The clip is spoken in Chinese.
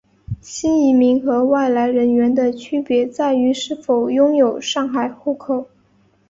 新移民和外来人员的区别在于是否拥有上海户口。